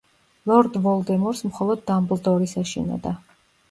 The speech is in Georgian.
ლორდ ვოლდემორს მხოლოდ დამბლდორის ეშინოდა.